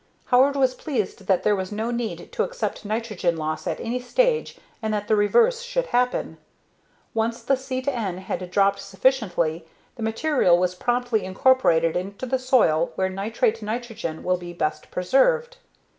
Howard was pleased that there was no need to accept nitrogen loss at any stage and that the reverse should happen. Once the C/N had dropped sufficiently, the material was promptly incorporated into the soil where nitrate nitrogen will be best preserved.